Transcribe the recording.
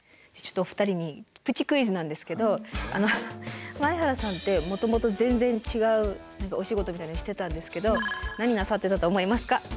ちょっとお二人にプチクイズなんですけど前原さんってもともと全然違うお仕事みたいなのをしてたんですけど何なさってたと思いますか？